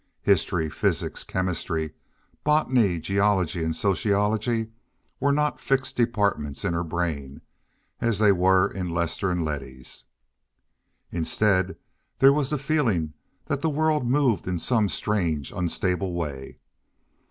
History, physics, chemistry, botany, geology, and sociology were not fixed departments in her brain as they were in Lester's and Letty's. Instead there was the feeling that the world moved in some strange, unstable way.